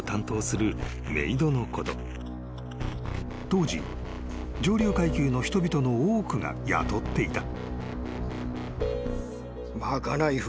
［当時上流階級の人々の多くが雇っていた］